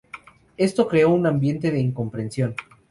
Esto creó un ambiente de incomprensión.